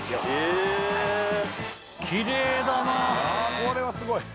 これはすごい。